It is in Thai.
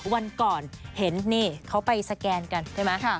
วันก่อนเห็นนี่เขาไปสแกนกันใช่ไหม